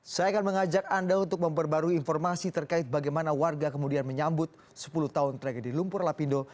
saya akan mengajak anda untuk memperbarui informasi terkait bagaimana warga kemudian menyambut sepuluh tahun tragedi lumpur lapindo